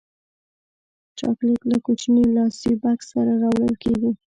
چاکلېټ له کوچني لاسي بکس سره راوړل کېږي.